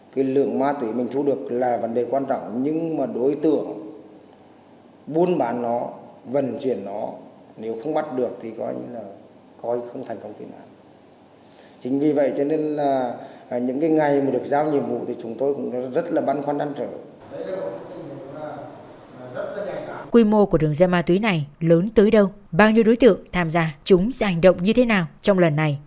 quy mô của đường dây ma túy này lớn tới đâu bao nhiêu đối tượng tham gia chúng sẽ hành động như thế nào trong lần này